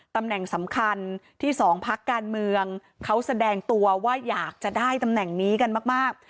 ตำแหน่งสำคัญที่สองพักการเมืองเขาแสดงตัวว่าอยากจะได้ตำแหน่งนี้กันมาก